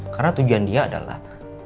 karena tujuan dia adalah